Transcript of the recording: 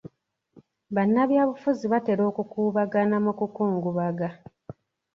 Bannabyabufuzi batera okukuubagana mu kukungubaga